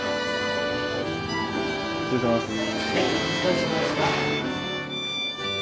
失礼します。